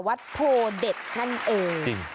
วัดโพเด็ดนั่นเอง